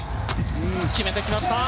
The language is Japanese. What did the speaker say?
決めてきました。